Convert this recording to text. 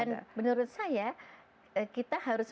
dan menurut saya kita harus